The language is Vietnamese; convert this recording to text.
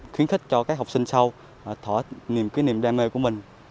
khiến khích cho các học sinh sâu thỏa niềm kỷ niệm đam mê của mình